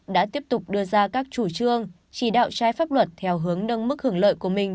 đã tiếp tục đưa ra các chủ trương chỉ đạo trái pháp luật theo hướng nâng mức hưởng lợi của mình